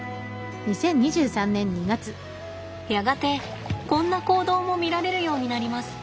やがてこんな行動も見られるようになります。